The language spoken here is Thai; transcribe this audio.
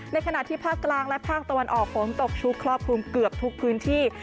ขณะที่ภาคกลางและภาคตะวันออกฝนตกชุกครอบคลุมเกือบทุกพื้นที่